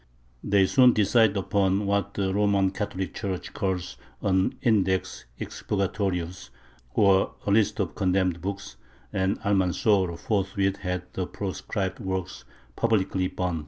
They soon decided upon what the Roman Catholic Church calls an "Index Expurgatorius," or list of condemned books, and Almanzor forthwith had the proscribed works publicly burnt.